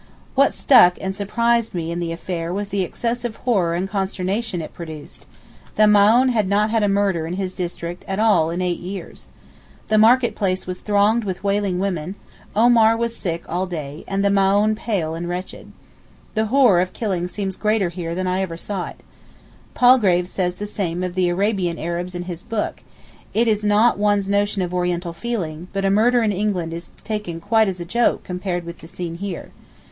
What struck and surprised me in the affair was the excessive horror and consternation it produced; the Maōhn had not had a murder in his district at all in eight years. The market place was thronged with wailing women, Omar was sick all day, and the Maōhn pale and wretched. The horror of killing seems greater here than ever I saw it. Palgrave says the same of the Arabian Arabs in his book: it is not one's notion of Oriental feeling, but a murder in England is taken quite as a joke compared with the scene here.